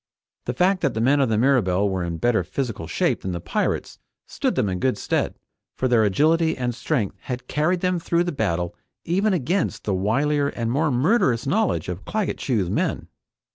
The fact that the men of the Mirabelle were in better physical shape than the pirates stood them in good stead, for their agility and strength had carried them through the battle even against the wilier and more murderous knowledge of Claggett Chew's men.